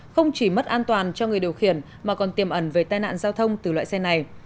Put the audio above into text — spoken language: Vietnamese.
không chỉ mất an toàn cho người điều khiển mà còn tiềm ẩn về tai nạn giao thông từ loại xe này